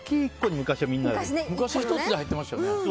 昔は１つで入ってましたよね。